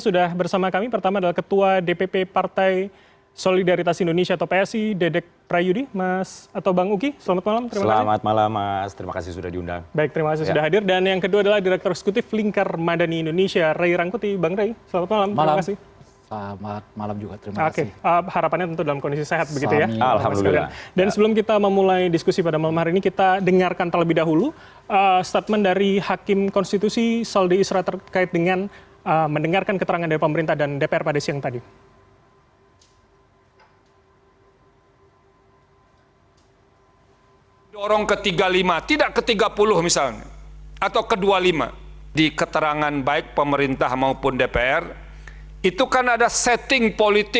dari dahulu statement dari hakim konstitusi saldi isra terkait dengan mendengarkan keterangan dari pemerintah dan dpr pada siang tadi